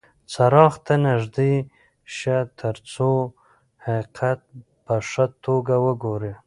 څراغ ته نږدې شه ترڅو حقیقت په ښه توګه وګورې.